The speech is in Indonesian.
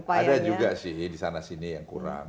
ada juga sih disana sini yang kurang